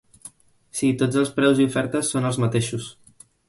Si, tots els preus i ofertes son els mateixos.